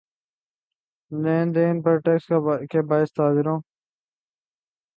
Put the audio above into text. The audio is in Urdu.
لین دین پر ٹیکس کے باعث تاجروں